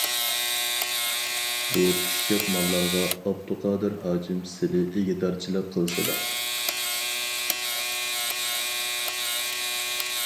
بۇ پىششىق ماللارغا ئابدۇقادىر ھاجىم سىلى ئىگىدارچىلىق قىلسىلا.